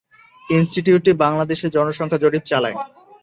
ইনস্টিটিউটটি বাংলাদেশে জনসংখ্যা জরিপ চালায়।